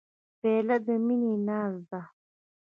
پیاله د مینې ناز ده.